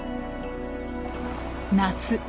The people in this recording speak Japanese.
夏。